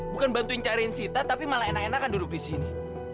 bukan bantuin cariin sita tapi malah enak enakan duduk di sini